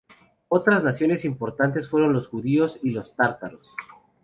Otras naciones importantes fueron los judíos y los tártaros.